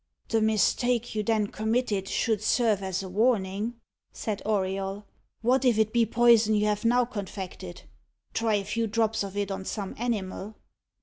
"The mistake you then committed should serve as a warning," said Auriol. "What if it be poison you have now confected? Try a few drops of it on some animal."